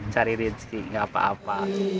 cari rezeki gak apa apa